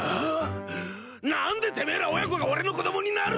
何でてめえら親子が俺の子供になるんだ！